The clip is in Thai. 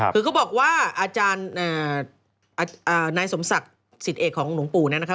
คือเขาบอกว่าอาจารย์นายสมศักดิ์สิทธิเอกของหลวงปู่เนี่ยนะคะ